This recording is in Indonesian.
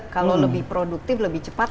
kalau lebih produktif lebih cepat